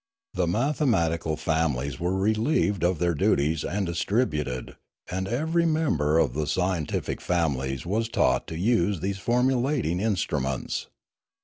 The mathematical families were relieved of their duties and distributed, and every member of the scien tific families was taught to use all these formulating instruments.